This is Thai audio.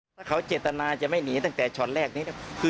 ถ้าเขาเจตนาจะไม่หนีตั้งแต่ช็อตแรกนี้